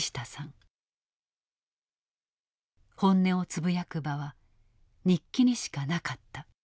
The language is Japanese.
本音をつぶやく場は日記にしかなかった。